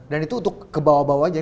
dan itu untuk kebawah bawah aja